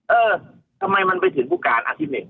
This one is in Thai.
เออทำไมมันไปถึงผู้การอาทิตย์หนึ่ง